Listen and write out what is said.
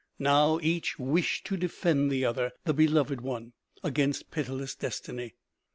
Now each wished to defend the other, the beloved one, against pitiless destiny.